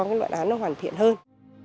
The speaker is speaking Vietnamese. cái luận án nó hoàn thiện hơn